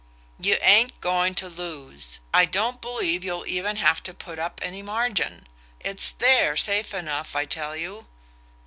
"You ain't going to lose: I don't believe you'll even have to put up any margin. It's THERE safe enough, I tell you..."